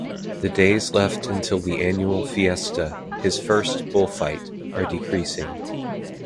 The days left until the annual fiesta, his first bullfight, are decreasing.